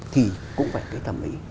thì cũng phải cái thẩm mỹ